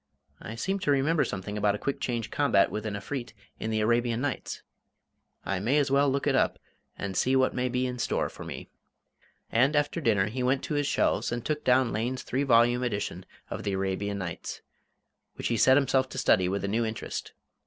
I seem to remember something about a quick change combat with an Efreet in the "Arabian Nights." I may as well look it up, and see what may be in store for me." And after dinner he went to his shelves and took down Lane's three volume edition of "The Arabian Nights," which he set himself to study with a new interest.